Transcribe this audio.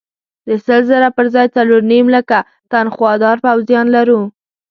د سل زره پر ځای څلور نیم لکه تنخوادار پوځیان لرو.